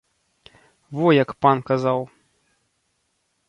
Во як пан казаў.